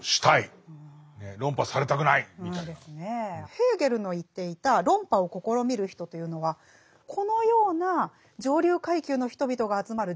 ヘーゲルの言っていた論破を試みる人というのはこのような上流階級の人々が集まる１８世紀